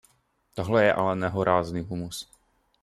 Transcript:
Tohle je ale nehorázný humus.